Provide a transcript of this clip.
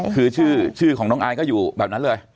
คือชื่อของน้องอายก็อยู่แบบนั้นเลย